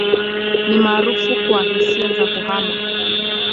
Ni maarufu kwa hisia za kuhama.